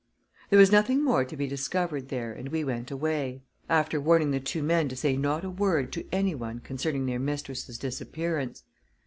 There was nothing more to be discovered there, and we went away, after warning the two men to say not a word to anyone concerning their mistress's disappearance.